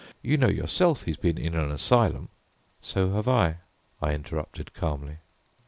You know yourself he's been in an asylum " "So have I," I interrupted calmly.